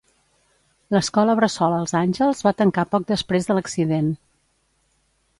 L'escola bressol Els àngels va tancar poc després de l'accident.